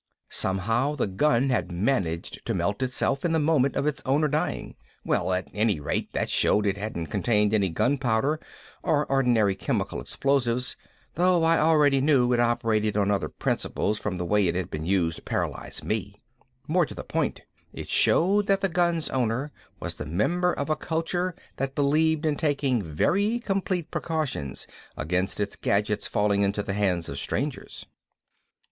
Somehow the gun had managed to melt itself in the moment of its owner dying. Well, at any rate that showed it hadn't contained any gunpowder or ordinary chemical explosives, though I already knew it operated on other principles from the way it had been used to paralyze me. More to the point, it showed that the gun's owner was the member of a culture that believed in taking very complete precautions against its gadgets falling into the hands of strangers.